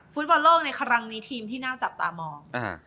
ฟุตบอลโลกในครั้งนี้ทีมที่น่าจับตามอง